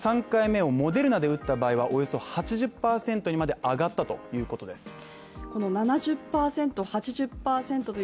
３回目をモデルナで打った場合はおよそ８０％にまで上がったということです。